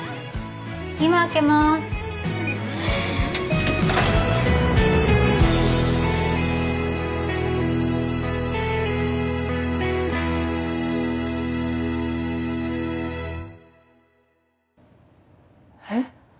今開けますえっ？